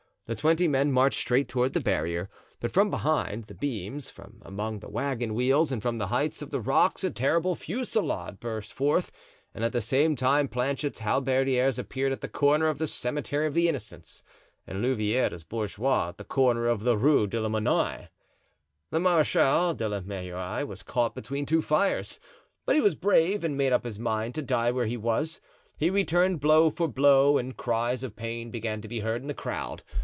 The twenty men marched straight toward the barrier, but from behind the beams, from among the wagon wheels and from the heights of the rocks a terrible fusillade burst forth and at the same time Planchet's halberdiers appeared at the corner of the Cemetery of the Innocents, and Louvieres's bourgeois at the corner of the Rue de la Monnaie. The Marechal de la Meilleraie was caught between two fires, but he was brave and made up his mind to die where he was. He returned blow for blow and cries of pain began to be heard in the crowd.